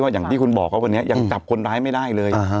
อย่างที่คุณบอกครับวันนี้ยังจับคนร้ายไม่ได้เลย